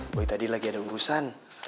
gue tadi lagi ada urusan